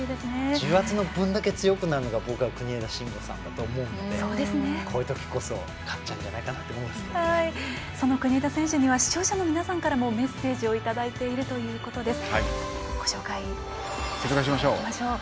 重圧の分だけ強くなるのが国枝慎吾さんだと思うのでこういうときこそ勝っちゃうんじゃないかなと国枝選手には視聴者の皆さんからメッセージをいただいています。